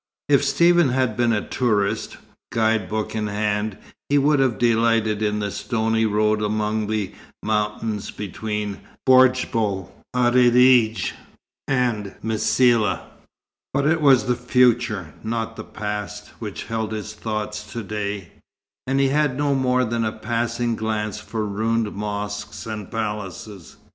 If Stephen had been a tourist, guide book in hand, he would have delighted in the stony road among the mountains between Bordj bou Arreredj and Msila; but it was the future, not the past, which held his thoughts to day, and he had no more than a passing glance for ruined mosques and palaces.